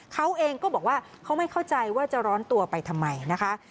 เขาเองก็บอกว่าเขาไม่เข้าใจว่าจะร้อนตัวไปทำไมนะคะ